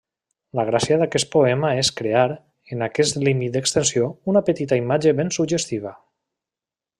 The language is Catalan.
La gràcia d'aquest poema és crear, en aquest límit d'extensió, una petita imatge ben suggestiva.